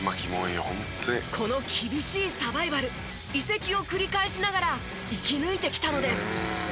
この厳しいサバイバル移籍を繰り返しながら生き抜いてきたのです。